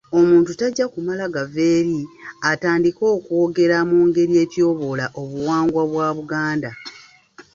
Omuntu tajja kumala gava eri atandike okwogera mu ngeri etyoboola obuwangwa bwa Buganda.